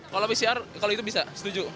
kalau pcr kalau itu bisa setuju